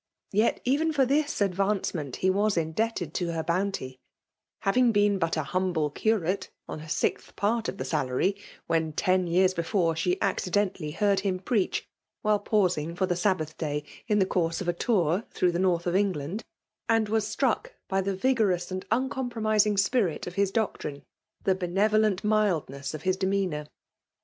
Yet even for this advaaeement, he was indebted to her bounty ;— ^having been but a humble curate on a sixth part of the salary, when, ten years befere, she accidentally heard him preach while pausing for the Sab bath day in the course of a tour through the North of England ;— ^and was struck by the vigorous and uncompromising s^rit of his doctrine, the benevolent mildness of his de meanour.